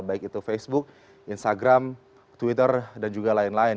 baik itu facebook instagram twitter dan juga lain lain